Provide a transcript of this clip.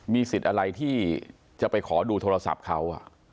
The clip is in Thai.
มีสิทธิ์อะไรที่จะไปขอดูโทรศัพท์เขา